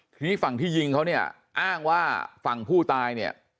ทีนี้ฝั่งที่ยิงเขาเนี่ยอ้างว่าฝั่งผู้ตายเนี่ย